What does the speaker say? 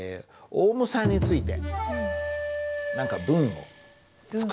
オウムさんについて。